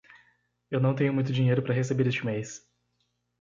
Eu não tenho muito dinheiro para receber este mês.